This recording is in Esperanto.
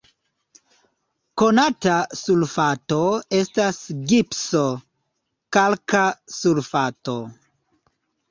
Konata sulfato estas gipso, kalka sulfato.